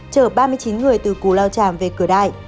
chở ba mươi chín người từ cù lao tràm về cửa đại